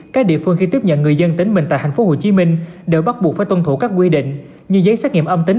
các địa phương khi tiếp nhận người dân tính mình tại tp hcm đều bắt buộc phải tuân thủ các quy định như giấy xét nghiệm âm tính